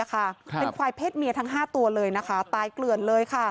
เป็นควายเพศเมียทั้ง๕ตัวเลยนะคะตายเกลือนเลย